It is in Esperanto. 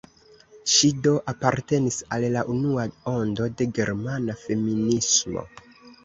Ŝi do apartenis al la unua ondo de germana feminismo.